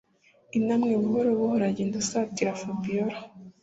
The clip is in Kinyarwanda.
intamwe buhoro buhoro agenda asatira fabiora.